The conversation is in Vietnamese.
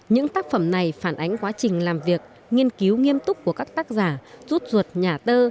những tác phẩm này phản ánh quá trình làm việc nghiên cứu nghiêm túc của các tác giả rút ruột nhà tơ